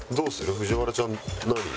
藤原ちゃん何いく？